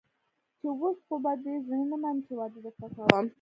چې اوس خو به دې زړه مني چې واده درته کوم.